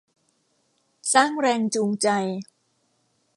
สร้างแรงจูงใจ